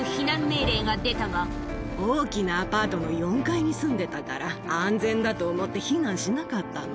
大きなアパートの４階に住んでたから、安全だと思って避難しなかったの。